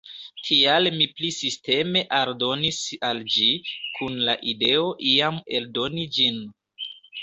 Tial mi pli sisteme aldonis al ĝi, kun la ideo iam eldoni ĝin.